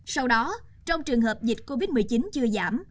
sau đó trong trường hợp dịch covid một mươi chín chưa giảm